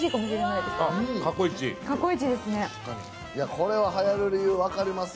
これははやる理由分かりますよ。